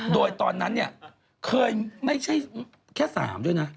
โดยตอนนั้นเนี่ยเคยไม่ใช่แค่๓ด้วยนะ